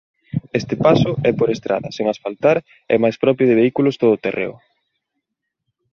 Este paso é por estrada sen asfaltar e máis propio de vehículos todo terreo.